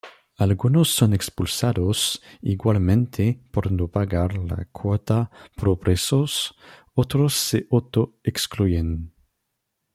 Algunos son expulsados igualmente por no pagar la cuota pro-presos, otros se auto-excluyen.